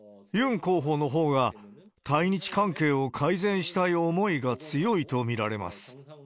ユン候補のほうが、対日関係を改善したい思いが強いと見られます。